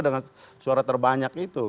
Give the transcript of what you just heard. dengan suara terbanyak itu